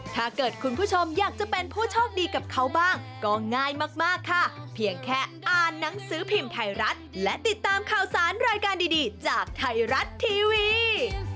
ถ้าเกิดคุณผู้ชมอยากจะเป็นผู้โชคดีกับเขาบ้างก็ง่ายมากค่ะเพียงแค่อ่านหนังสือพิมพ์ไทยรัฐและติดตามข่าวสารรายการดีจากไทยรัฐทีวี